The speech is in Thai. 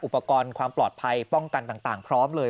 อุปกรณ์ความปลอดภัยป้องกันต่างพร้อมเลย